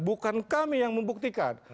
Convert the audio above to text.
bukan kami yang membuktikan